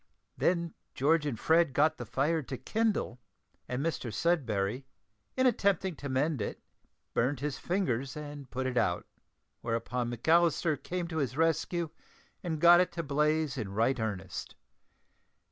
Then George and Fred got the fire to kindle, and Mr Sudberry, in attempting to mend it, burnt his fingers and put it out; whereupon McAllister came to his rescue and got it to blaze in right earnest.